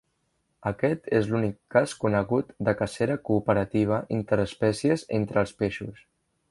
Aquest és l'únic cas conegut de cacera cooperativa interespècies entre els peixos.